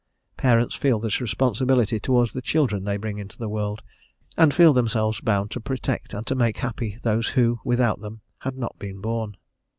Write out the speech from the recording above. Parents feel this responsibility towards the children they bring into the world, and feel themselves bound to protect and to make happy those who, without them, had not been born.